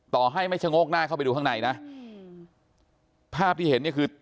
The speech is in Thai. ต่อให้ไม่ชะโงกหน้าเข้าไปดูข้างในนะภาพที่เห็นเนี่ยคือ